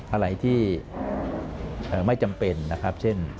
อะไรที่ไม่จำเป็นนะครับเช่น